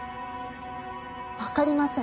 わかりません。